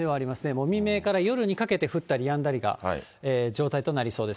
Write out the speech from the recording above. もう未明から降ったりやんだりが常態となりそうです。